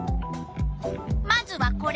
まずはこれ。